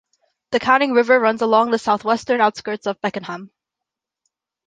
The Canning River runs along the southwestern outskirts of Beckenham.